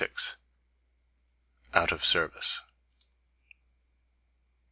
LXVI. OUT OF SERVICE.